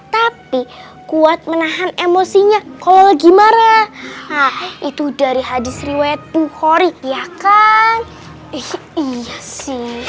tapi kuat menahan emosinya kalau lagi marah itu dari hadits riwayat bukhori ya kan iya sih